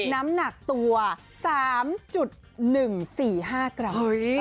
น้ำหนักตัว๓๑๔๕กรัม